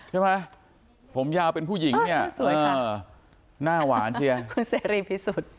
ใช่ไหมผมยาวเป็นผู้หญิงน่าหวานใช่ไหมคุณเซรีย์พิสุทธิ์